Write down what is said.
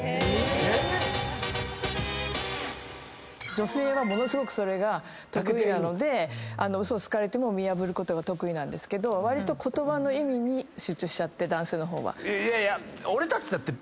女性はものすごくそれが得意なのでウソをつかれても見破ることが得意なんですけど言葉の意味に集中しちゃって男性の方は。